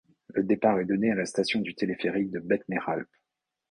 Le départ est donné à la station du téléphérique de Bettmeralp.